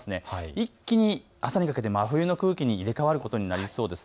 一気に朝にかけて真冬の空気に入れ代わることになりそうです。